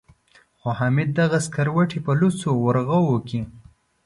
خو حامد دغه سکروټې په لوڅو ورغوو کې.